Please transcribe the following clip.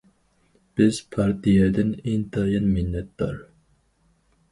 بىز پارتىيەدىن ئىنتايىن مىننەتدار.